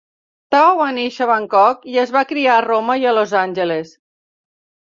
Tao va néixer a Bangkok i es va criar a Roma i Los Angeles.